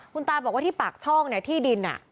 คุณตาบอกว่าที่ปากช่องเนี่ยที่ดิน